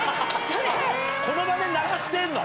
この場で流してるの？